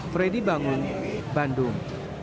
freddy bangun bandung